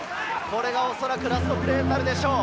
おそらくラストプレーになるでしょう。